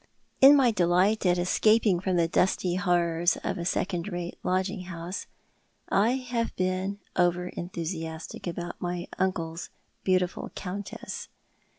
In my delight at escaping from the dusty horrors of a second rate lodging house, I have been over enthusiastic about my uncle's beautiful countess.